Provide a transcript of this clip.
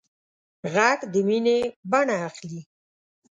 غږ د مینې بڼه اخلي